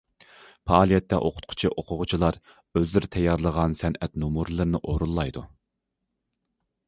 پائالىيەتتە ئوقۇتقۇچى- ئوقۇغۇچىلار ئۆزلىرى تەييارلىغان سەنئەت نومۇرلىرىنى ئورۇنلايدۇ.